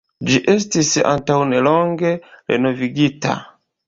Ĝi estis antaŭnelonge renovigita.